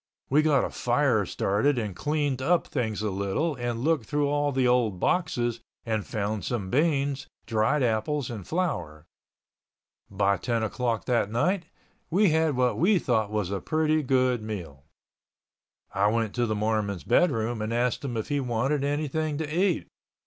We got a fire started and cleaned up things a little and looked through all the old boxes and found some beans, dried apples and flour. By ten o'clock that night we had what we thought was a pretty good meal. I went to the Mormon's bedroom and asked him if he wanted anything to eat.